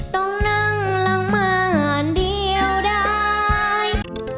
ต้องนั่งหลังบ้านเดียวได้